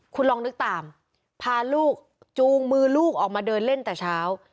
คุณลองนึกตามพาลูกจูงมือลูกออกมาเดินเล่นแต่เช้า